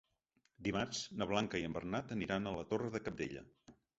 Dimarts na Blanca i en Bernat aniran a la Torre de Cabdella.